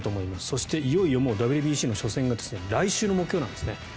そして、いよいよＷＢＣの初戦が来週木曜なんですね。